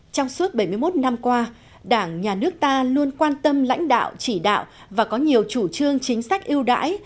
trong suốt bảy mươi một năm qua đảng nhà nước ta luôn quan tâm lãnh đạo chỉ đạo và có nhiều chủ trương chính sách ưu đãi